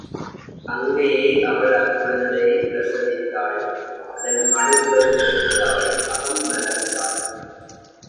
அங்கேயே அவள் அக்குழந்தையைப் பிரசவித்தாள் அதன் அழுகுரல் கேட்டு அவள் அகம் மலர்ந்தாள்.